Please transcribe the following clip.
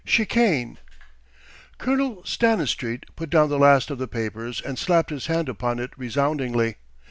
XXII CHICANE Colonel Stanistreet put down the last of the papers and slapped his hand upon it resoundingly.